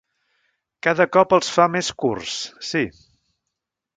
Cada cop els fa més curts, sí.